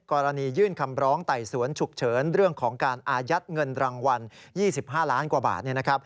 กรณียื่นคำร้องไต่สวนฉุกเฉินเรื่องของการอายัดเงินรางวัล๒๕ล้านกว่าบาท